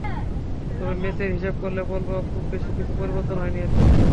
তবে ম্যাচের হিসেব করলে বলব, খুব বেশি কিছু পরিবর্তন হয়নি এতে।